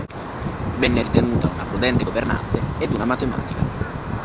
Venne ritenuta una prudente governante ed una matematica.